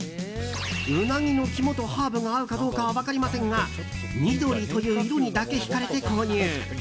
ウナギの肝とハーブが合うかどうかは分かりませんが緑という色にだけ引かれて購入。